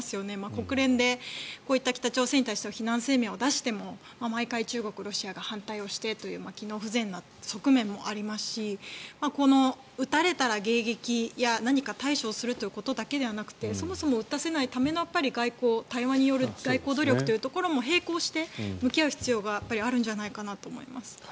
国連でこういった北朝鮮に対しては非難声明を出しても毎回中国、ロシアが反対をしてという機能不全な側面もありますしこの、撃たれたら迎撃や何か対処をするということだけではなくてそもそも撃たせないための外交対話による外交努力というところも並行して、向き合う必要があるんじゃないかと思います。